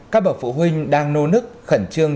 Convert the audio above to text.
các bậc phụ huynh đang nô nức khẩn trương